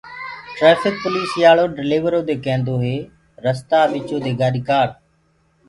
ٽريڦڪ پوليٚسيآݪو ڊليورو دي ڪينٚدوئيٚ رستآ ٻچو دي گآڏي ڪآڙ